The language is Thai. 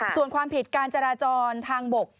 ส่วนความผิดการจราจรทางบก